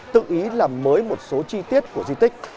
tự ý làm mới một số chi tiết của di tích